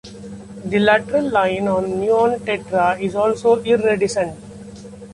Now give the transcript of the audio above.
The lateral line on the Neon tetra is also iridescent.